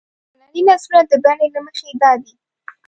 هنري نثرونه د بڼې له مخې دادي.